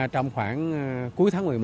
trong khoảng cuối tháng một mươi một